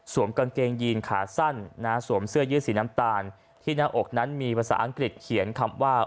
กางเกงยีนขาสั้นสวมเสื้อยืดสีน้ำตาลที่หน้าอกนั้นมีภาษาอังกฤษเขียนคำว่า